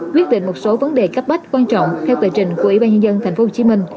quyết định một số vấn đề cấp bách quan trọng theo tệ trình của ủy ban nhân dân tp hcm